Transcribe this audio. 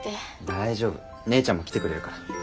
大丈夫姉ちゃんも来てくれるから。